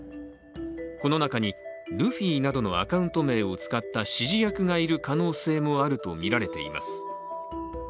この中にルフィなどのアカウント名を使った指示役がいる可能性もあるとみられています。